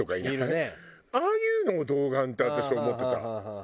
ああいうのを童顔って私思ってた。